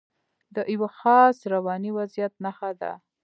د یوه خاص رواني وضعیت نښه ده.